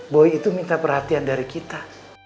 boy itu minta perhatian dari kita